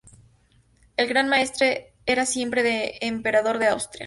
El gran maestre era siempre el emperador de Austria.